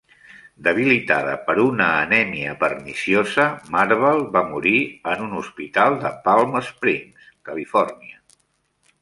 Debilitada per una anèmia perniciosa, Marble va morir en un hospital de Palm Springs, Califòrnia.